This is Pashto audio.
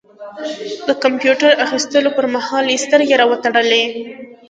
د کمپيوټر اخيستلو پر مهال يې سترګې را وتړلې.